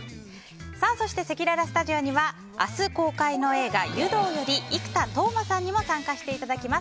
そして、せきららスタジオには明日公開の映画「湯道」より生田斗真さんにも参加していただきます。